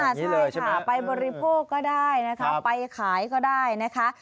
ใช่ค่ะไปบริโภคก็ได้นะคะไปขายก็ได้นะคะ